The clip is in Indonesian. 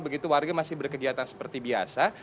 begitu warga masih berkegiatan seperti biasa